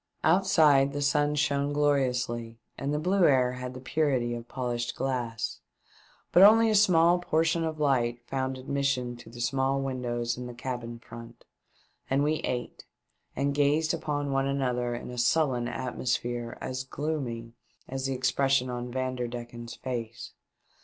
Outside, the sun shone gloriously, and the blue air had the purity of polished glass ; but only a small portion of light found ad WE BRING UP IN A BAY. 459 mission through the small windows in the cabin front, and we ate and gazed upon one another in a sullen atmosphere as gloomy as the expression on Vanderdecken's face.